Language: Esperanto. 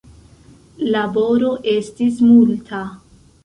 Laboro estis multa.